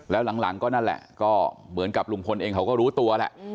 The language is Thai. แล้วหลังก็นั่นแหละก็เหมือนกับลุงพลเองเขาก็รู้ตัวแหละ